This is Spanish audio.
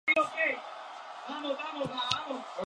En el centro de la plaza se ubica una rotonda elíptica ajardinada.